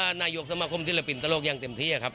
วิทยาลักษณะนายโยคสามารกษ์ศิลปินตรักยังเต็มทีอะครับ